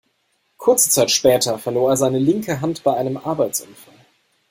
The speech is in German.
Kurze Zeit später verlor er seine linke Hand bei einem Arbeitsunfall.